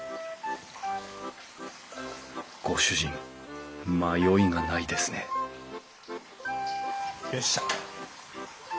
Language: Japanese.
ご主人迷いがないですねよっしゃ！